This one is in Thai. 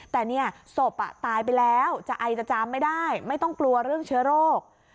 แต่เนี่ยศพตายไปแล้วจะไอจะจามไม่ได้ไม่ต้องกลัวเรื่องเชื้อโรค